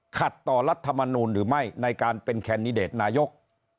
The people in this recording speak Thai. ขัดต่อรัฐมนูลหรือไม่ในการเป็นแคนดิเดตนายก